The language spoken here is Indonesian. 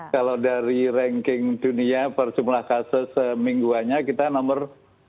kalau dari ranking dunia per jumlah kasus semingguannya kita nomor tujuh puluh lima